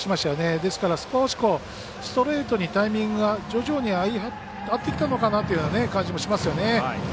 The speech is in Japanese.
ですから、少しストレートにタイミングが合ってきたのかなという感じもしますよね。